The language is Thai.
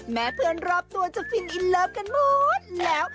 แม้เพื่อนรอบตัวจะฟินอินเลิฟกันหมดแล้ว